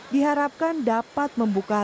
diharapkan dapat membuka